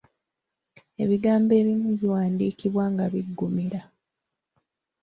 Ebigambo ebimu biwandiikibwa nga biggumira.